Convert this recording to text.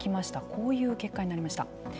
こういう結果になりました。